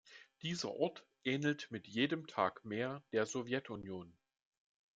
Dieser Ort ähnelt mit jedem Tag mehr der Sowjetunion.